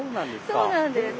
そうなんです。